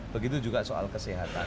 begitu juga soal kesehatan